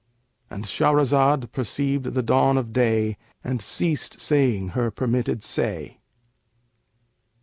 "—And Shahrazad perceived the dawn of day and ceased saying her permitted say.